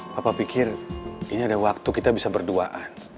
papa pikir ini ada waktu kita bisa berdoa